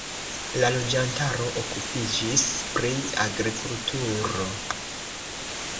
La loĝantaro okupiĝis pri agrikulturo.